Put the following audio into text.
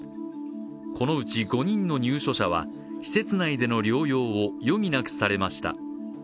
このうち５人の入所者は施設内での療養を余儀なくされました。